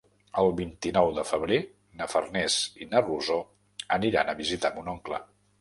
El vint-i-nou de febrer na Farners i na Rosó aniran a visitar mon oncle.